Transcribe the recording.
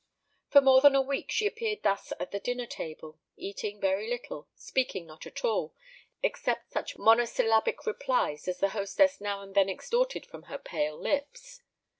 For more than a week she appeared thus at the dinner table, eating very little, speaking not at all, except such monosyllabic replies as the hostess now and then extorted from her pale lips.